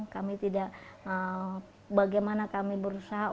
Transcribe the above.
kami tidak bagaimana kami berusaha